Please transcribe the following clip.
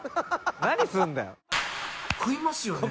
「何するんだよ」食いますよね。